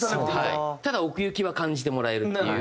ただ奥行きは感じてもらえるっていう。